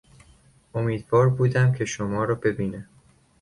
امیدوار بودم که شما را ببینم.